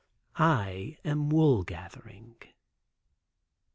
I am wool gathering.